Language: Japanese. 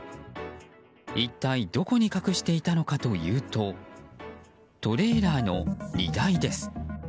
一体どこに隠していたのかというとトレーラーの荷台です。